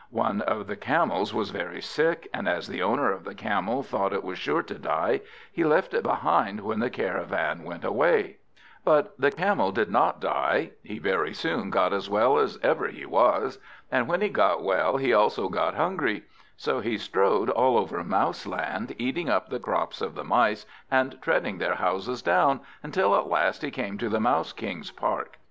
One of the Camels was very sick, and as the owner of the Camel thought it was sure to die, he left it behind when the caravan went away. But the Camel did not die; he very soon got as well as ever he was. And when he got well he also got hungry; so he strode all over Mouseland, eating up the crops of the Mice, and treading their houses down, until at last he came to the Mouse King's park.